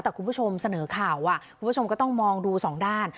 แต่คุณผู้ชมเสนอข่าวคุณผู้ชมก็ต้องมองดูสองด้าน